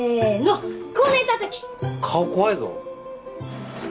顔怖いぞ。